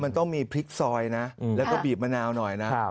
มันต้องมีพริกซอยนะแล้วก็บีบมะนาวหน่อยนะ